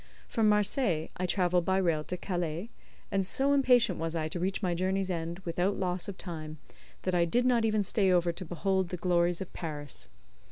From Marseilles I travelled by rail to Calais, and so impatient was I to reach my journey's end without loss of time, that I did not even stay over to behold the glories of Paris.